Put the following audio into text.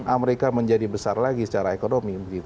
amerika menjadi besar lagi secara ekonomi